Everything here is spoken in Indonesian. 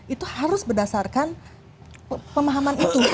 itu harus berdasarkan pemahaman itu